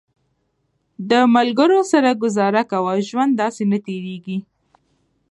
د ملګرو سره ګزاره کوه، ژوند داسې نه تېرېږي